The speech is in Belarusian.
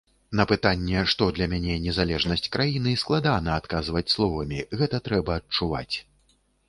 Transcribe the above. На пытанне, што для мяне незалежнасць краіны, складана адказваць словамі, гэта трэба адчуваць.